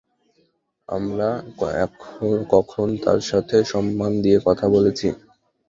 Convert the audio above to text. আমরা কখন তার সাথে সম্মান দিয়ে কথা বলেছি?